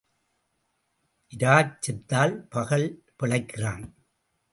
இராச் செத்தால் பகல் பிழைக்கிறான்.